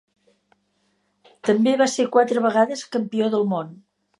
També va ser quatre vegades campió del món.